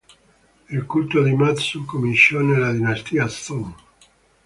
Il culto di Mazu cominciò nella dinastia Song.